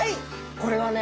これはね